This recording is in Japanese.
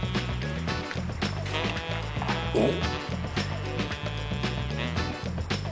おっ！